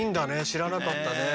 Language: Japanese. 知らなかったね。